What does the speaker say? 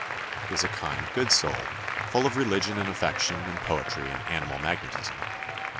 He is a kind, good soul, full of religion and affection and poetry and animal magnetism.